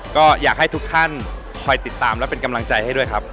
ก็อยากให้ทุกท่านคอยติดตามและเป็นกำลังใจให้ด้วยครับ